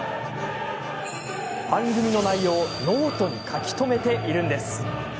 番組の内容をノートに書き留めているんです。